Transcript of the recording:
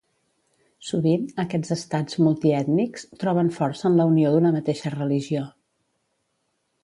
Sovint, aquests estats multiètnics troben força en la unió d'una mateixa religió.